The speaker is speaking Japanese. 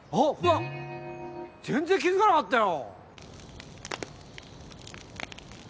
全然気づかなかったよ！